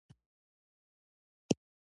ژوند وکړي.